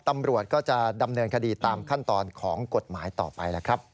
ตำรวจก็จะดำเนินคดีตามขั้นตอนของกฎหมายต่อไปล่ะครับ